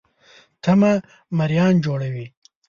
تمه مریان جوړوي.